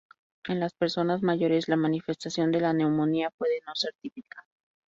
En las personas mayores, la manifestación de la neumonía puede no ser típica.